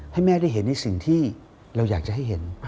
ให้แม่ได้เห็นในสิ่งที่เราอยากจะให้เห็น